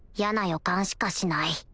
予感しかしない